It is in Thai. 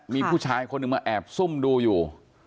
มีผู้ชายคนหนึ่งมาแอบซุ่มดูอยู่